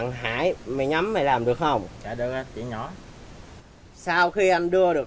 nó cũng như thế này